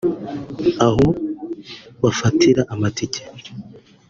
aho bafatira amatike